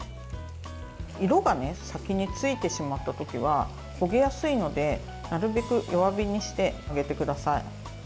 色が先についてしまった時は焦げやすいのでなるべく弱火にして揚げてください。